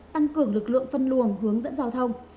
tăng cường lực lượng phân luồng hướng dẫn giao thông